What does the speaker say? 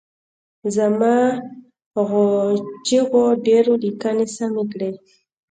زما غو چیغو ډېرو لیکني سمې کړي.